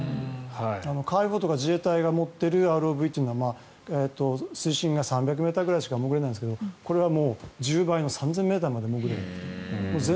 海保とか自衛隊が持っているＲＯＶというのは水深が３００ｍぐらいしか潜れないんですがこれは１０倍の３０００ｍまで潜れる。